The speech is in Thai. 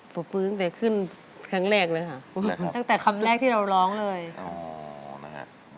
ปบมือขึ้นครั้งแรกเลยค่ะตั้งแต่คำแรกที่เราร้องเลยอ๋อนะฮะ